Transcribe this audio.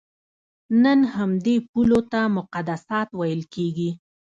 نن همدې پولو ته مقدسات ویل کېږي.